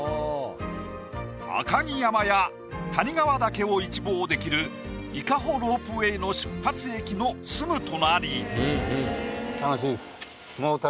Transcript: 赤城山や谷川岳を一望できる伊香保ロープウェイの出発駅のすぐ隣。